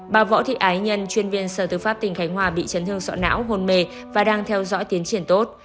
bà võ thị ái nhân chuyên viên sở tư pháp tỉnh khánh hòa bị chấn thương sọ não hôn mê và đang theo dõi tiến triển tốt